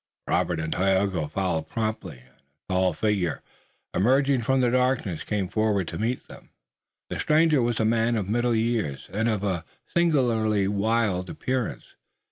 Robert and Tayoga followed promptly, and a tall figure, emerging from the darkness, came forward to meet them. The stranger was a man of middle years, and of a singularly wild appearance.